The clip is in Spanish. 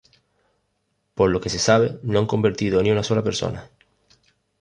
Por lo que se sabe, no han convertido ni a una sola persona.